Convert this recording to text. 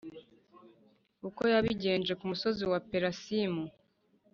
uko yabigenje ku musozi wa Perasimu,